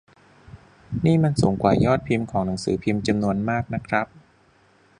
นี่มันสูงกว่ายอดพิมพ์ของหนังสือพิมพ์จำนวนมากนะครับ